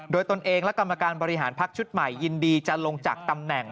โดยตนเองและกรรมการบริหารพักชุดใหม่ยินดีจะลงจากตำแหน่ง